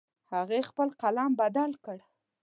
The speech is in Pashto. هغې خپل قلم بدل کړ